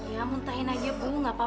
ya muntahin aja bu nggak apa apa